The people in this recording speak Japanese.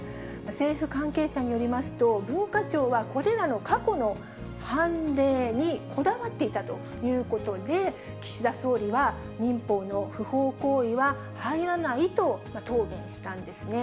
政府関係者によりますと、文化庁はこれらの過去の判例にこだわっていたということで、岸田総理は民法の不法行為は入らないと、答弁したんですね。